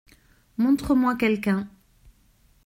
Montre-moi quelqu’un.